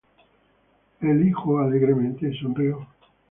El hijo alegremente sonrió.